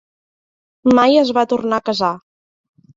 Mai es va tornar a casar.